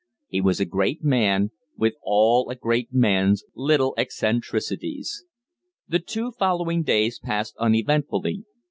He was a great man, with all a great man's little eccentricities. The two following days passed uneventfully.